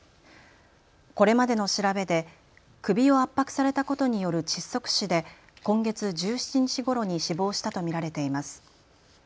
これまでの調べで首を圧迫されたことによる窒息死で今月１７日ごろに死亡したと見られています。